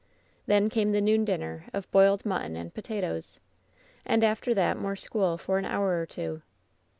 "Then came the noon dinner of boiled mutton and potatoes. "And after that more school for an hour or two.